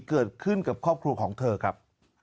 เกิดขึ้นกับครอบครัวของเธอครับ